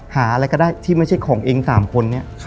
หาอะไรก็ได้ที่ไม่ใช่ของเอง๓คนเนี่ย